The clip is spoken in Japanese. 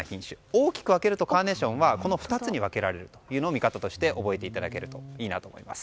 大きく分けるとこの２つに分けられると見方として覚えていただけるといいなと思います。